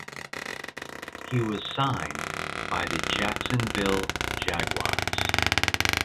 He was signed by the Jacksonville Jaguars.